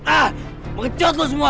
ah mengecut lo semua